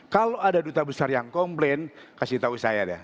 kalau ada duta besar yang komplain kasih tahu saya deh